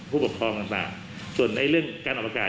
ผู้ปกครองต่างส่วนในเรื่องการออกประกาศ